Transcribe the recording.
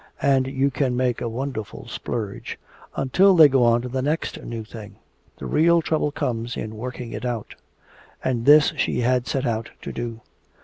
And you can make a wonderful splurge, until they go on to the next new thing. The real trouble comes in working it out." And this she had set out to do.